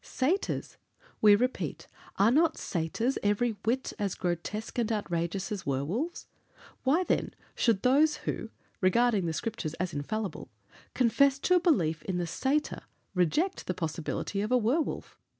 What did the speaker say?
Satyrs! we repeat; are not satyrs every whit as grotesque and outrageous as werwolves? Why, then, should those who, regarding the Scriptures as infallible, confess to a belief in the satyr, reject the possibility of a werwolf?